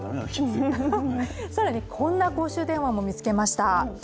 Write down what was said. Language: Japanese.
更に、こんな公衆電話も見つけました。